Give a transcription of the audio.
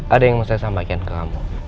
ada yang mau saya sampaikan ke kamu